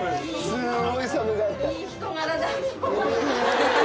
すごい寒かった。